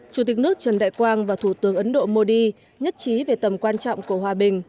chủ tịch nước trần đại quang và thủ tướng ấn độ modi nhất trí về tầm quan trọng của hòa bình